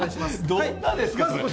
どんなですかそれ！